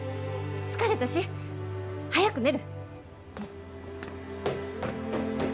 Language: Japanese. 疲れたし早く寝る！